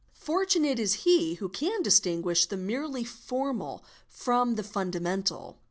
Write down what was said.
Fortunate is he who can distinguish the merely formal from the fundamental.